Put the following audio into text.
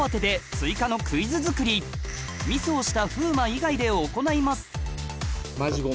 ミスをした風磨以外で行います